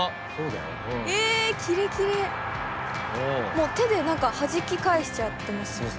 もう手ではじき返しちゃってますよね。